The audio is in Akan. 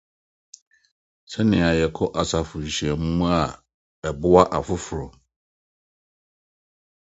sɛnea yɛkɔ asafo nhyiam a, ɛboa afoforo.